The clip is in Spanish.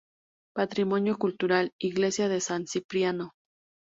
Patrimonio Cultural: Iglesia de San Cipriano.